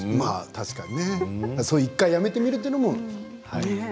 １回やめてみるというのも。